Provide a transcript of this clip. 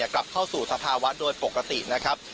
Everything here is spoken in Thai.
กลับเข้าสู่สภาวะโดยปกตินะครับ